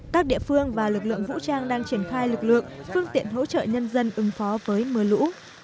các địa phương và lực lượng vũ trang đang triển khai lực lượng phương tiện hỗ trợ nhân dân ứng phó với mưa lũ